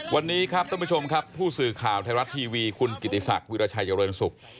วันนี้ครับท่านผู้ชมครับผู้สื่อข่าวไทยรัฐทีวีคุณกิติศักดิ์วิราชัยเจริญศุกร์